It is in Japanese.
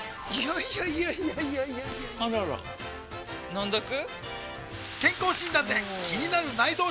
いやいやいやいやあらら飲んどく？